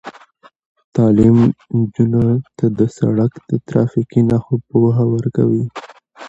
تعلیم نجونو ته د سړک د ترافیکي نښو پوهه ورکوي.